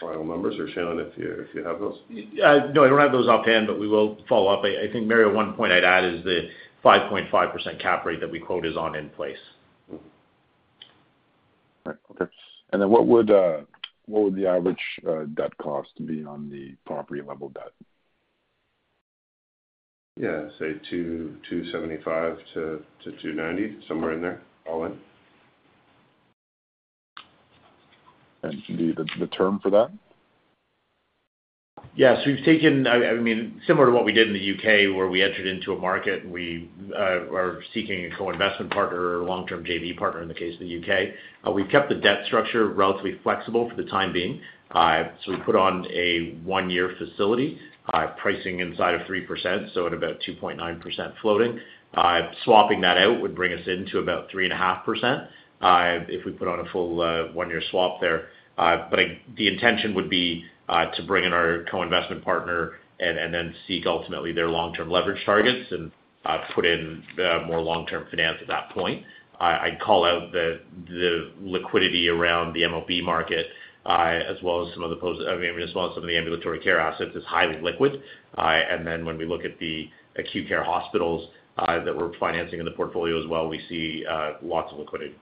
final numbers. Or, Shailen, if you have those. No, I don't have those offhand, but we will follow up. I think, Mario, one point I'd add is the 5.5% cap rate that we quote is on in place. Right. Okay. What would the average debt cost be on the property level debt? Yeah. Say 2%, 2.75%-2.90%, somewhere in there, all in. Do you need the term for that? Yeah. I mean, similar to what we did in the U.K., where we entered into a market, and we are seeking a co-investment partner or long-term JV partner in the case of the U.K. We've kept the debt structure relatively flexible for the time being. We put on a one-year facility, pricing inside of 3%, so at about 2.9% floating. Swapping that out would bring us into about 3.5%, if we put on a full one-year swap there. The intention would be to bring in our co-investment partner and then seek ultimately their long-term leverage targets and put in more long-term finance at that point. I'd call out the liquidity around the MOB market, as well as some of the ambulatory care assets is highly liquid. When we look at the acute care hospitals that we're financing in the portfolio as well, we see lots of liquidity.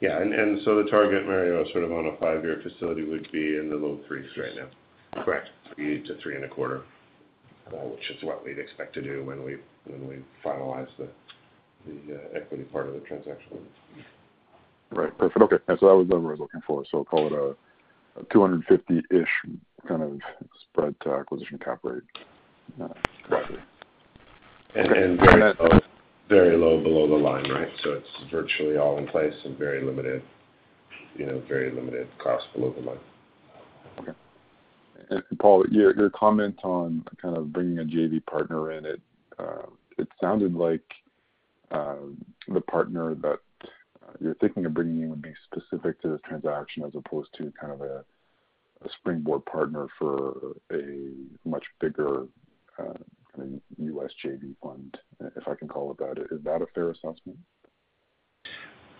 The target, Mario, sort of on a five-year facility would be in the low threes right now. Correct. 3%-3.25%, which is what we'd expect to do when we finalize the equity part of the transaction. Right. Perfect. Okay. That's what I was looking for. Call it a 250-ish kind of spread to acquisition cap rate? Right. Okay. Very low below the line, right? It's virtually all in place and very limited, you know, very limited cost below the line. Okay. Paul, your comment on kind of bringing a JV partner in it sounded like the partner that you're thinking of bringing in would be specific to this transaction as opposed to kind of a springboard partner for a much bigger, I mean, U.S. JV fund, if I can call it that. Is that a fair assumption?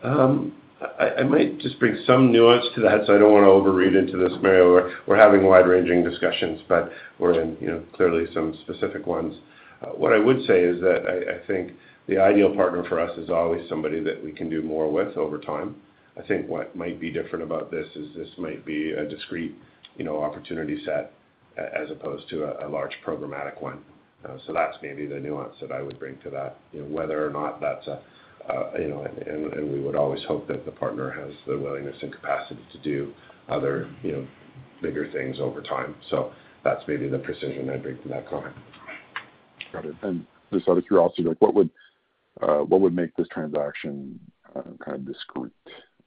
I might just bring some nuance to that, so I don't wanna overread into this, Mario. We're having wide-ranging discussions, but we're in, you know, clearly some specific ones. What I would say is that I think the ideal partner for us is always somebody that we can do more with over time. I think what might be different about this is this might be a discrete, you know, opportunity set as opposed to a large programmatic one. So that's maybe the nuance that I would bring to that. We would always hope that the partner has the willingness and capacity to do other, you know, bigger things over time. So that's maybe the precision I'd bring to that comment. Got it. Just out of curiosity, like, what would make this transaction kind of discreet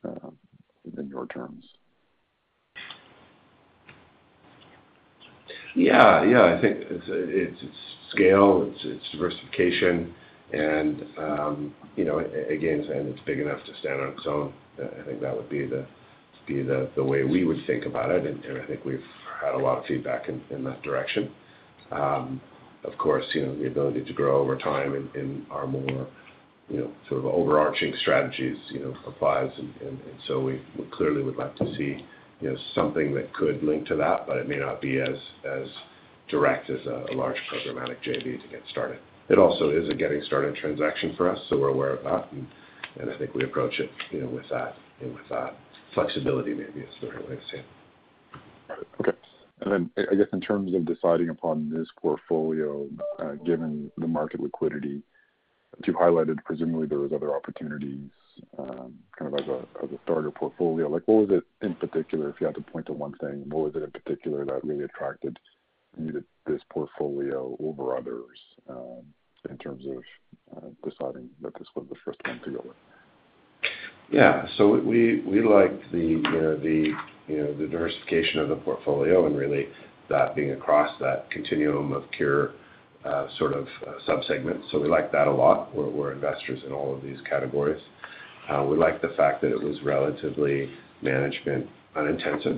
in your terms? I think it's scale, it's diversification, and, you know, again, it's big enough to stand on its own. I think that would be the way we would think about it, and I think we've had a lot of feedback in that direction. Of course, you know, the ability to grow over time in our more, you know, sort of overarching strategies, you know, applies. We clearly would like to see, you know, something that could link to that, but it may not be as direct as a large programmatic JV to get started. It also is a getting started transaction for us, so we're aware of that. I think we approach it, you know, with that flexibility maybe is the right way to say it. Got it. Okay. I guess in terms of deciding upon this portfolio, given the market liquidity, you highlighted presumably there was other opportunities, kind of as a starter portfolio. Like, what was it in particular, if you had to point to one thing, what was it in particular that really attracted you to this portfolio over others, in terms of deciding that this was the first one to go with? We liked the diversification of the portfolio and really that being across that continuum of pure sort of sub-segments. We like that a lot. We're investors in all of these categories. We like the fact that it was relatively management unintensive.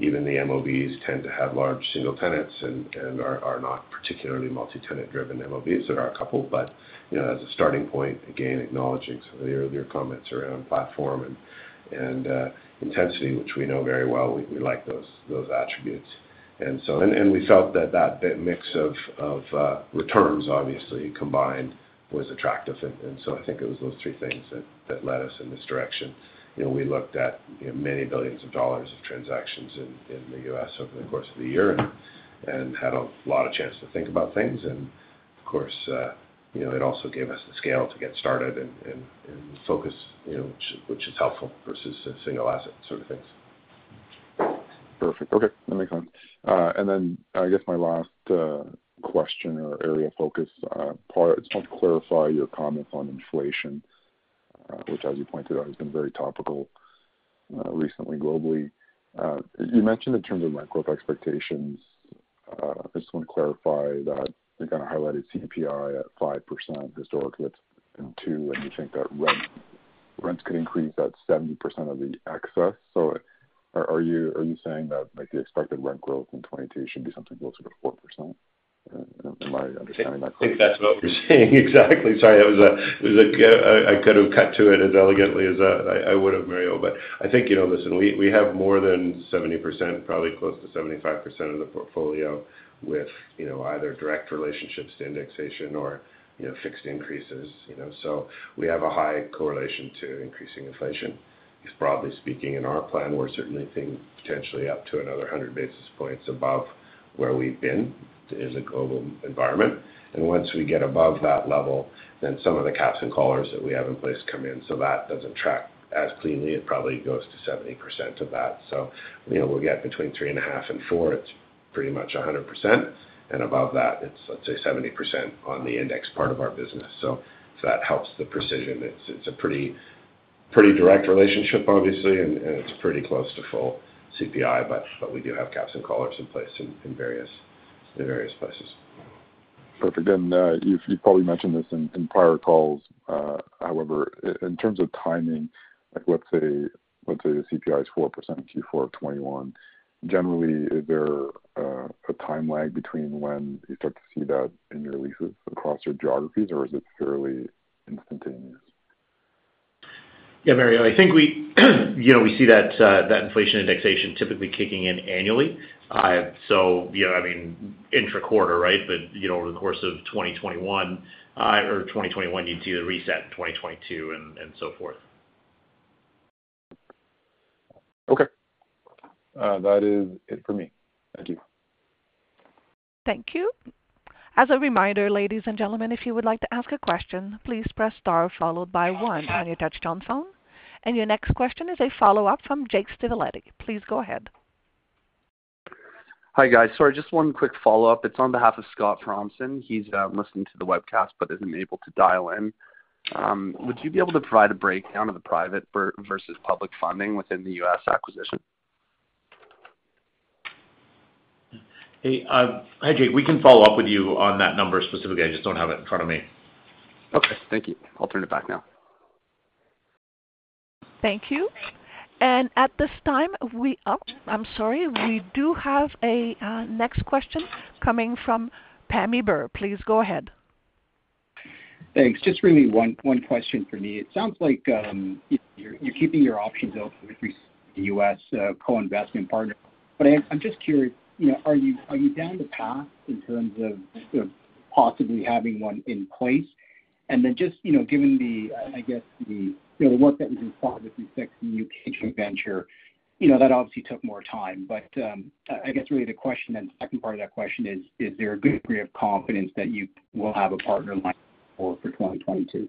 Even the MOBs tend to have large single tenants and are not particularly multi-tenant driven MOBs. There are a couple, but you know, as a starting point, again, acknowledging some of the earlier comments around platform and intensity, which we know very well, we like those attributes. We felt that mix of returns obviously combined was attractive. I think it was those three things that led us in this direction. You know, we looked at, you know, many billions of dollars transactions in the U.S. over the course of the year and had a lot of chance to think about things. Of course, you know, it also gave us the scale to get started and focus, you know, which is helpful versus a single asset sort of things. Perfect. Okay, that makes sense. I guess my last question or area of focus part is just to clarify your comments on inflation, which as you pointed out, has been very topical recently globally. You mentioned in terms of rent growth expectations, I just want to clarify that you kind of highlighted CPI at 5% historically, and 2%, and you think that rents could increase at 70% of the excess. Are you saying that like the expected rent growth in 2022 should be something closer to 4%? Am I understanding that correctly? I think that's what we're saying exactly. Sorry. I couldn't cut to it as elegantly as I would have, Mario. I think, you know, listen, we have more than 70%, probably close to 75% of the portfolio with, you know, either direct relationships to indexation or, you know, fixed increases, you know. We have a high correlation to increasing inflation because broadly speaking, in our plan, we're certainly seeing potentially up to another 100 basis points above where we've been as a global environment. Once we get above that level, then some of the caps and collars that we have in place come in. That doesn't track as cleanly. It probably goes to 70% of that. You know, we'll get between 3.5% and 4%, it's pretty much 100%. Above that it's, let's say, 70% on the index part of our business. So that helps the precision. It's a pretty direct relationship obviously, and it's pretty close to full CPI, but we do have caps and collars in place in various places. Again, you've probably mentioned this in prior calls, however, in terms of timing, like let's say the CPI is 4% in Q4 of 2021. Generally, is there a time lag between when you start to see that in your leases across your geographies, or is it fairly instantaneous? Yeah, Mario, I think we, you know, we see that inflation indexation typically kicking in annually. You know, I mean intra-quarter, right? You know, over the course of 2021 you'd see the reset in 2022 and so forth. Okay. That is it for me. Thank you. Thank you. As a reminder, ladies and gentlemen, if you would like to ask a question, please press star followed by one on your touchtone phone. Your next question is a follow-up from Jake Stivaletti. Please go ahead. Hi, guys. Sorry, just one quick follow-up. It's on behalf of Scott Thompson. He's listening to the webcast but isn't able to dial in. Would you be able to provide a breakdown of the private versus public funding within the U.S. acquisition? Hey, hi, Jake. We can follow up with you on that number specifically. I just don't have it in front of me. Okay, thank you. I'll turn it back now. Thank you. At this time we do have a next question coming from Pammi Bir. Please go ahead. Thanks. Just really one question for me. It sounds like you're keeping your options open with the U.S. co-investment partner. I'm just curious, you know, are you down the path in terms of possibly having one in place? Just, you know, given the, I guess, you know, the work that was involved with the U.K. joint venture, you know, that obviously took more time. I guess really the question then, the second part of that question is there a good degree of confidence that you will have a partner in line for 2022?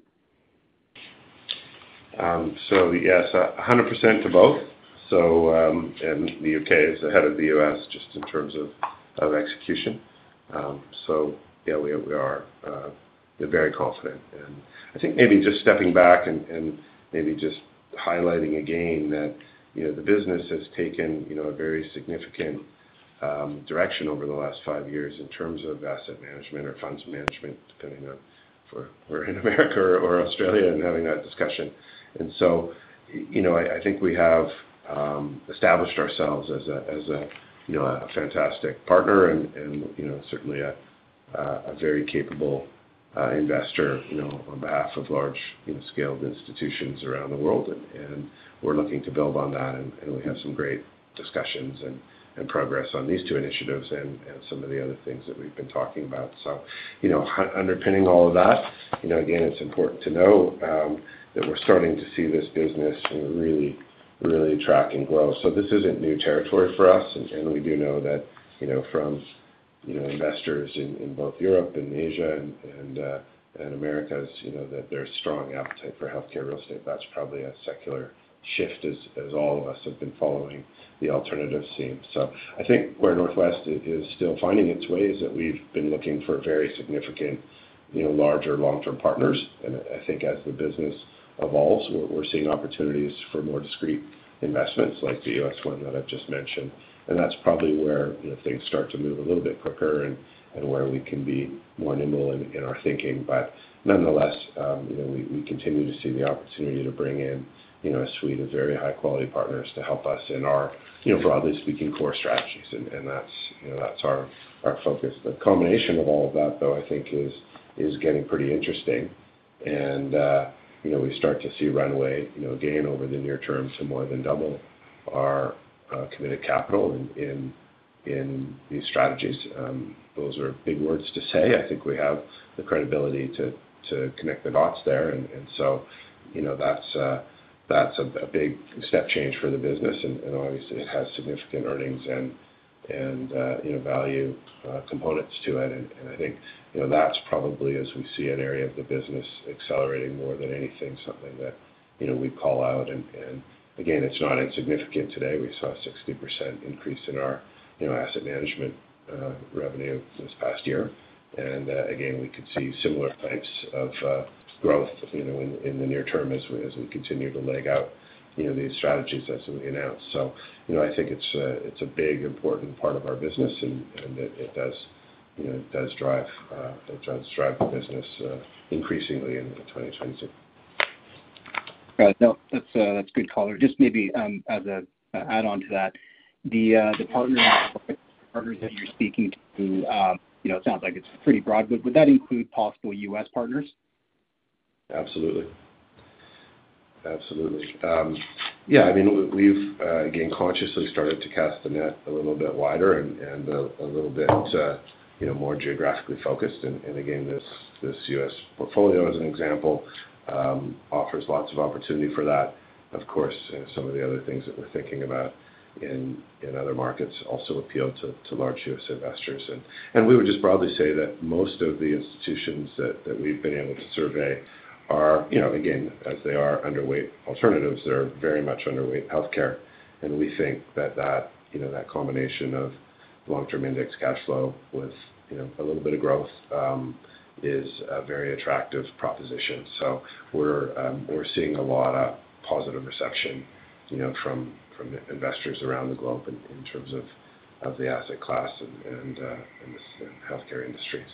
Yes, 100% to both. The U.K. is ahead of the U.S. just in terms of execution. Yeah, we are very confident. I think maybe just stepping back and maybe just highlighting again that, you know, the business has taken, you know, a very significant direction over the last five years in terms of asset management or funds management, depending on if we're in America or Australia and having that discussion. You know, I think we have established ourselves as a, you know, a fantastic partner and, you know, certainly a very capable investor, you know, on behalf of large, you know, scaled institutions around the world. We're looking to build on that and we have some great discussions and progress on these two initiatives and some of the other things that we've been talking about. You know, underpinning all of that, you know, again, it's important to know that we're starting to see this business, you know, really track and grow. This isn't new territory for us. We do know that, you know, from, you know, investors in both Europe and Asia and Americas, you know, that there's strong appetite for healthcare real estate. That's probably a secular shift as all of us have been following the alternative scene. I think where Northwest is still finding its way is that we've been looking for very significant, you know, larger long-term partners. I think as the business evolves, we're seeing opportunities for more discreet investments like the U.S. one that I've just mentioned. That's probably where, you know, things start to move a little bit quicker and where we can be more nimble in our thinking. But nonetheless, you know, we continue to see the opportunity to bring in, you know, a suite of very high quality partners to help us in our, you know, broadly speaking, core strategies. That's, you know, that's our focus. The combination of all of that though, I think is getting pretty interesting. You know, we start to see runway, you know, gain over the near term to more than double our committed capital in these strategies. Those are big words to say. I think we have the credibility to connect the dots there. You know, that's a big step change for the business and obviously it has significant earnings and, you know, value components to it. I think, you know, that's probably as we see an area of the business accelerating more than anything, something that, you know, we call out. Again, it's not insignificant. Today, we saw a 60% increase in our, you know, asset management revenue this past year. Again, we could see similar types of growth, you know, in the near term as we continue to leg out, you know, these strategies as we announce. You know, I think it's a big important part of our business and it does, you know, it does drive the business increasingly in 2022. Right. No, that's a good color. Just maybe, as an add-on to that, the partners that you're speaking to, you know, it sounds like it's pretty broad, but would that include possible U.S. partners? Absolutely. Yeah, I mean, we've again consciously started to cast the net a little bit wider and a little bit, you know, more geographically focused. Again, this U.S. portfolio as an example offers lots of opportunity for that. Of course, some of the other things that we're thinking about in other markets also appeal to large U.S. investors. We would just broadly say that most of the institutions that we've been able to survey are, you know, again, as they are underweight alternatives, they're very much underweight healthcare. We think that, you know, that combination of long-term indexed cash flow with, you know, a little bit of growth is a very attractive proposition. We're seeing a lot of positive reception, you know, from investors around the globe in terms of the asset class and the healthcare industry.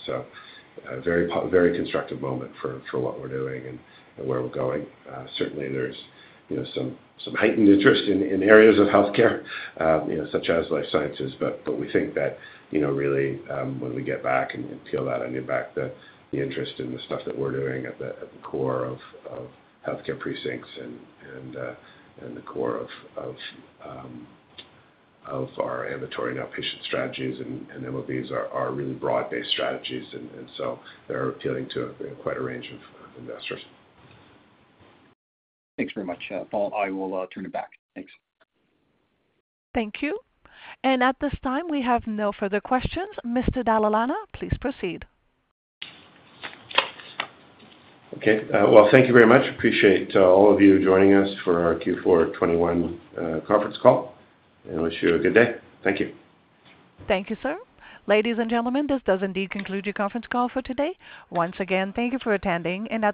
A very constructive moment for what we're doing and where we're going. Certainly there's you know, some heightened interest in areas of healthcare, you know, such as life sciences. We think that, you know, really, when we get back and peel that onion back, the interest in the stuff that we're doing at the core of healthcare precincts and the core of our inventory and outpatient strategies and MOBs are really broad-based strategies. They're appealing to quite a range of investors. Thanks very much. Paul, I will turn it back. Thanks. Thank you. At this time, we have no further questions. Mr. Dalla Lana, please proceed. Okay. Well, thank you very much. Appreciate all of you joining us for our Q4 2021 conference call, and wish you a good day. Thank you. Thank you, sir. Ladies and gentlemen, this does indeed conclude your conference call for today. Once again, than k you for attending, and have a.